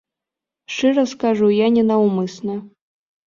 Шчыра скажу, я ненаўмысна.